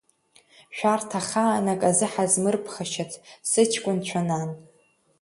Шәарҭ ахаан аказы ҳазмырԥхашьац, сыҷкәынцәа, нан!